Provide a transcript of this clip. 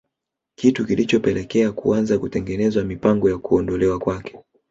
Kitu kilichopelekea kuanza kutengenezwa mipango ya kuondolewa kwake